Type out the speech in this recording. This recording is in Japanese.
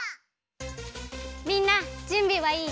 みんなじゅんびはいい？